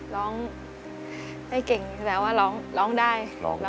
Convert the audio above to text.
ร้องได้เก่งแสดงว่าร้องได้